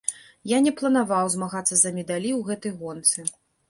Я не планаваў змагацца за медалі ў гэтай гонцы.